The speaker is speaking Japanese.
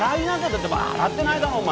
だってお前払ってないだろお前。